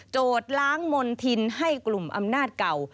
โจทย์ล้างมนทินให้กลุ่มอำนาจเก่า